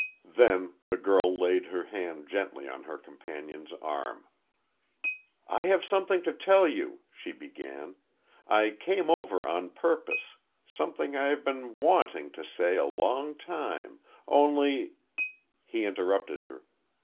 Then the girl laid her hand gently on her companion's arm. "I have something to tell you," she began. "I came over on purpose something I have been wanting to say a long time, only " He interrupted her.